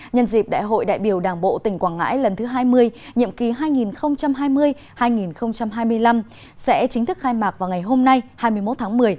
nhân dịp đại hội đại biểu đảng bộ tỉnh quảng ngãi lần thứ hai mươi nhiệm ký hai nghìn hai mươi hai nghìn hai mươi năm sẽ chính thức khai mạc vào ngày hôm nay hai mươi một tháng một mươi